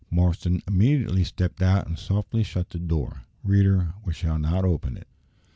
Marston immediately stepped out and softly shut the door. Reader, we shall not open it!